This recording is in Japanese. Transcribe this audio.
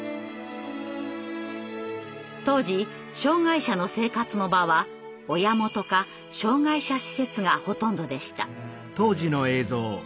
当時障害者の生活の場は「親元」か「障害者施設」がほとんどでした。